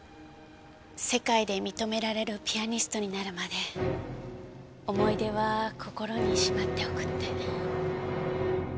世界で認められるピアニストになるまで思い出は心にしまっておくって。